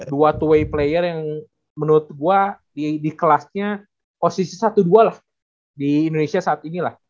dua tway player yang menurut gue di kelasnya posisi satu dua lah di indonesia saat ini lah